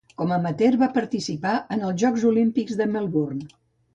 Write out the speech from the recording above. Com amateur, va participar en els Jocs Olímpics de Melbourne.